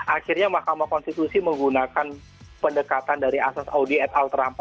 akhirnya mahkamah konstitusi menggunakan pendekatan dari asas audi et al